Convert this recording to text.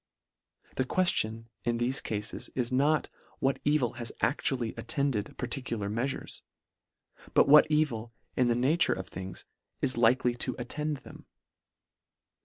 The queftion in thefe cafes is not, what evil has actually attended parti cular meafures — but what evil, in the nature of things, is likely to attend them.